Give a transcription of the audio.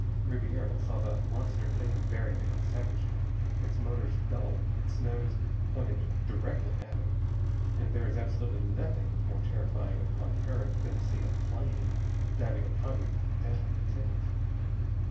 Ribiera saw the monster thing bearing down savagely, its motors bellowing, its nose pointed directly at him. And there is absolutely nothing more terrifying upon the earth than to see a plane diving upon you with deadly intent.